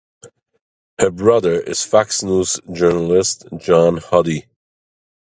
Her brother is Fox News journalist John Huddy.